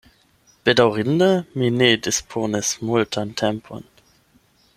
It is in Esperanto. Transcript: Bedaŭrinde, mi ne disponis multan tempon.